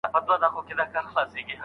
نوي کتابونه نه منع کېږي.